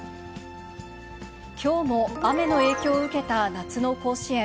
きょうも雨の影響を受けた夏の甲子園。